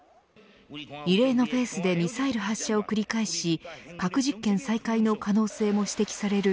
異例のペースでミサイル発射を繰り返し、核実験再開の可能性も指摘される。